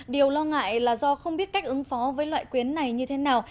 điều lo ngại là do không biết cách ứng phó với loại quyến này như thế nào